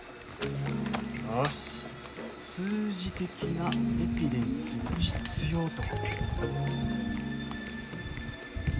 よし、数字的なエビデンスが必要と。